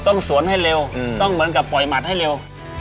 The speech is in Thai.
สวนให้เร็วต้องเหมือนกับปล่อยหมัดให้เร็ว